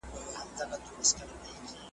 حتی په ځیني هيودادونو کي يې د هغه هيواد له